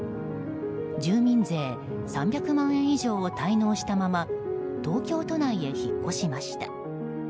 住民税３００万円以上を滞納したまま東京都内へ引っ越しました。